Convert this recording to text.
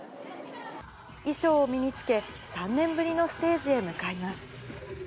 衣装を身に着け、３年ぶりのステージへ向かいます。